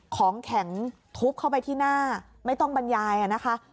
ของแข็งทุบเข้าไปที่หน้าไม่ต้องบรรยายนะคะ